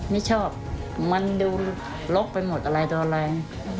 ไม่ชอบมันดูลกไปหมดอะไรตัวแรง